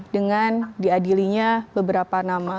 dengan diadilinya beberapa nama